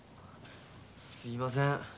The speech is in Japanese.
すいません。